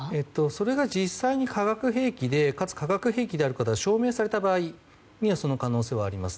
それが実際に化学兵器でかつ化学兵器であることが証明された場合にはその可能性はあります。